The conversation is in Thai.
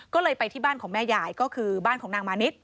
ก็เลยไปที่บ้านของแม่ยายก็คือบ้านของนางมานิด